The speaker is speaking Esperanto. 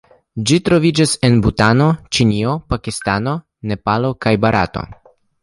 Ĝi troviĝas en Butano, Ĉinio, Pakistano, Nepalo kaj Barato.